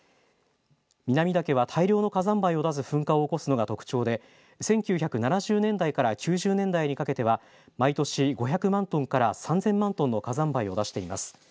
南岳は大量の火山灰を出す噴火を起こすのが特徴で１９７０年代から９０年代にかけては毎年５００万トンから３０００万トンの火山灰を出しています。